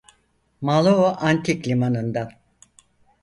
Malao antik limanından.